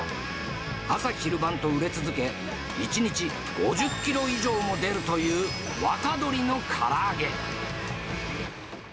朝昼晩と売れ続け、１日５０キロ以上も出るという、若鶏のから揚げ。